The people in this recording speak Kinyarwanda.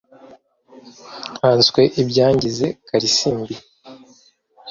Nkanswe ibyangize Kalisimbi?"